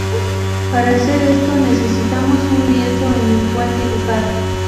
Para hacer esto, necesitamos un lienzo en el cual dibujar.